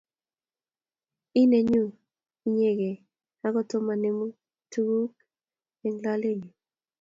Ii nenyu inyegei akot tomanemu tukug eng lalenyu